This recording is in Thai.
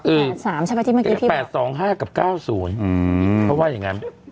๘๓ใช่ไหมที่เมื่อกี้ที่๘๒๕กับ๙๐เขาว่าอย่างงั้น